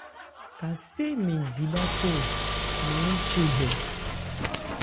Kasé mɛn di bháthó maán che hɛ.